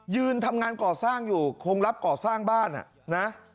ทำงานก่อสร้างอยู่คงรับก่อสร้างบ้านนะ